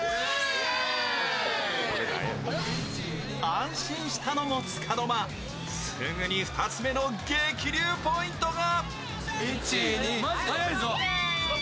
安心したのもつかの間、すぐに２つ目の激流ポイントが。